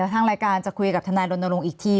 ทางรายการจะคุยกับทนายรณรงค์อีกที